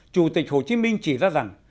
chủ tịch hồ chí minh chỉ ra rằng